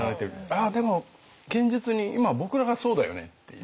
あっでも現実に今僕らがそうだよねっていう。